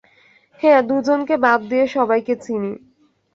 হ্যাঁ, দু জনকে বাদ দিয়ে সবাইকে চিনি।